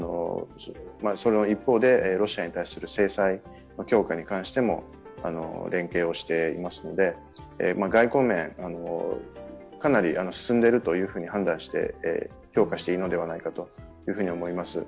その一方で、ロシアに対する制裁強化に対しても連携してますので外交面、かなり進んでいるというふうに判断して評価していいのではないかというふうに思います。